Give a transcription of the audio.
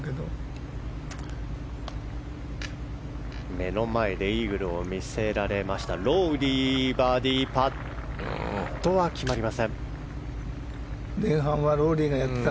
目の前でイーグルを見せられたロウリー、バーディーパットは決まりませんでした。